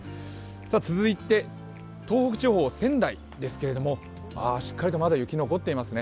続いて東北地方、仙台ですけれどもしっかりとまだ雪、残っていますね